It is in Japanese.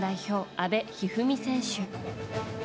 阿部一二三選手。